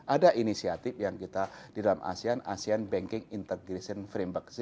ada inisiatif yang kita di dalam asean asean banking integration frameworks